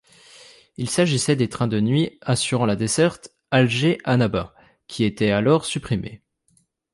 Il s'agissait des trains de nuit assurant la desserte Alger-Annaba qui étaient alors supprimés.